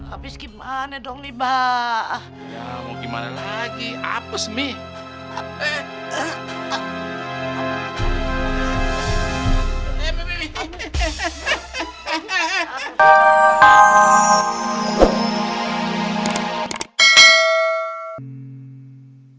abis gimana dong ibah mau gimana lagi apa semisal eh eh eh eh eh eh eh eh eh eh